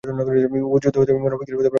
উহুদ যুদ্ধ মুনাফিকদের কপটতা প্রকাশ করে দেয়।